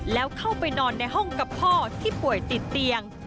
แล้วเข้าไปนอนในห้องกับพ่อที่ป่วยติดเตียง